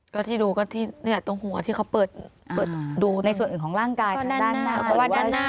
ก็ที่ดูก็ที่เนี่ยตรงหัวที่เขาเปิดดูในส่วนอื่นของร่างกายค่ะ